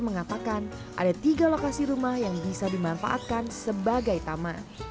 mengatakan ada tiga lokasi rumah yang bisa dimanfaatkan sebagai taman